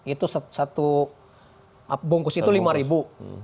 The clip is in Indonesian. itu satu bungkus itu lima ribu